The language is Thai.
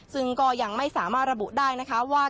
ซึ่งก็ยังไม่สามารถระบุได้นะคะว่า